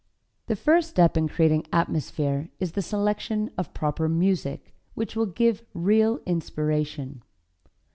The first step in creating atmosphere is the selection of proper music, which will give real inspiration.